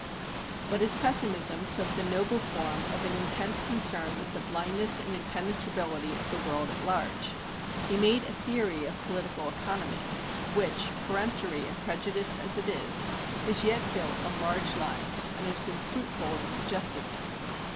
But his pessimism took the noble form of an intense concern with the blindness and impenetrability of the world at large. He made a theory of political economy, which, peremptory and prejudiced as it is, is yet built on large lines, and has been fruitful in suggestiveness.